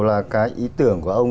là cái ý tưởng của ông